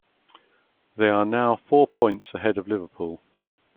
They are now four points ahead of Liverpool.